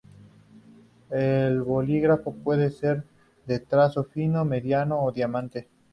El bolígrafo puede ser de trazo fino, mediano o diamante.